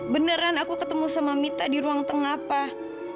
beneran aku ketemu sama mita di ruang tengah pah